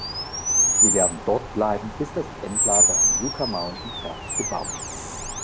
Sie werden dort bleiben, bis das Endlager in Yucca Mountain fertig gebaut ist.